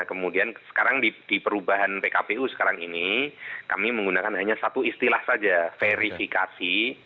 kemudian sekarang di perubahan pkpu sekarang ini kami menggunakan hanya satu istilah saja verifikasi